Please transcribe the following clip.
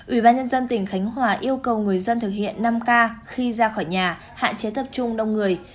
ubnd tỉnh cánh hòa yêu cầu người dân thực hiện năm k khi ra khỏi nhà hạn chế tập trung đông người